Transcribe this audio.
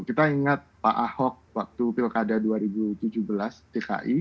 kita ingat pak ahok waktu pilkada dua ribu tujuh belas dki